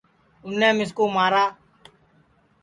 اُنیں مِسکُو مارا